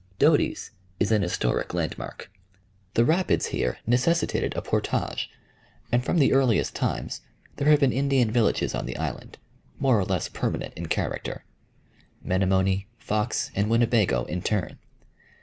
Doty's is an historic landmark. The rapids here necessitated a portage, and from the earliest times there have been Indian villages on the island, more or less permanent in character, Menomonee, Fox, and Winnebago in turn.